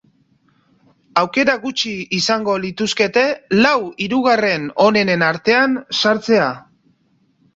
Aukera gutxi izango lituzkete lau hirugarren onenen artean sartzea.